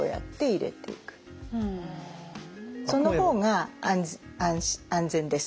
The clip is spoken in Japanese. その方が安全です。